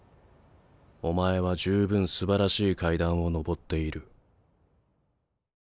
お前は十分すばらしい階段を上っている。